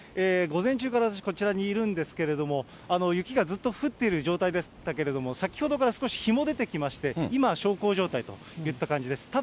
午前中からこちらにいるんですけれども、雪がずっと降ってる状態でしたけれども、先ほどから少し日も出てきまして、今、小康状態といった感じです。